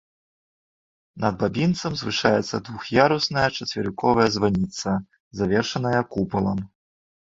Над бабінцам узвышаецца двух'ярусная чацверыковая званіца, завершаная купалам.